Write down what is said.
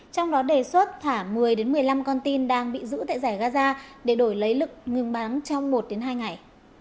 trong đó đề xuất thả một mươi một mươi năm con tin đang bị giữ tại giải gaza để đổi lấy lực ngừng bán trong một hai ngày